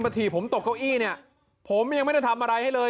ถีบผมตกเก้าอี้เนี่ยผมยังไม่ได้ทำอะไรให้เลย